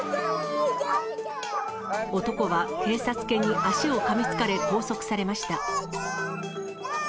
男は警察犬に足をかみつかれ、拘束されました。